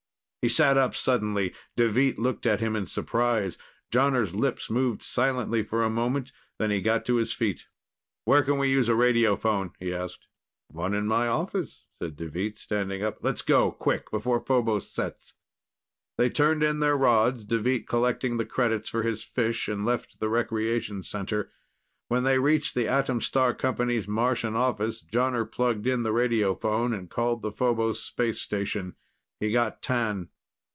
He sat up suddenly. Deveet looked at him in surprise. Jonner's lips moved silently for a moment, then he got to his feet. "Where can we use a radiophone?" he asked. "One in my office," said Deveet, standing up. "Let's go. Quick, before Phobos sets." They turned in their rods, Deveet collecting the credits for his fish, and left the Recreation Center. When they reached the Atom Star Company's Martian office Jonner plugged in the radiophone and called the Phobos space station. He got T'an.